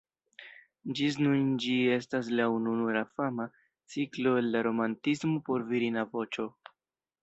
Ĝis nun ĝi estas la ununura fama ciklo el la romantismo por virina voĉo.